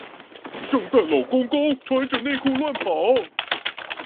聖誕老公公，穿著內褲亂跑